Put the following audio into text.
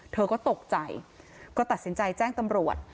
เธอก็ตกใจก็ตัดสินใจแจ้งตำรวจ